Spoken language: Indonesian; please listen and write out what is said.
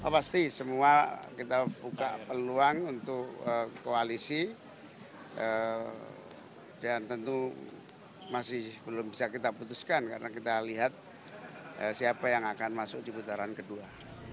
pasti semua kita buka peluang untuk koalisi dan tentu masih belum bisa kita putuskan karena kita lihat siapa yang akan masuk di putaran kedua